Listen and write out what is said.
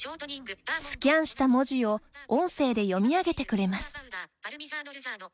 スキャンした文字を音声で読み上げてくれます。